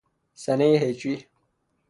سنۀ هجری